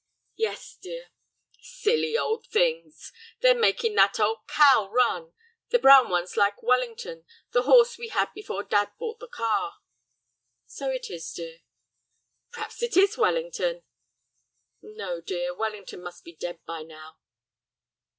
"Yes, dear." "Silly old things. They're making that old cow run. The brown one's like Wellington, the horse we had before dad bought the car." "So it is, dear." "P'r'aps it is Wellington?" "No, dear, Wellington must be dead by now."